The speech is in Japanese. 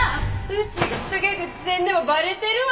うちが告げ口せんでもバレてるわ。